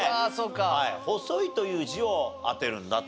「細い」という字をあてるんだと。